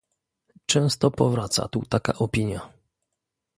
Często powraca tu taka opinia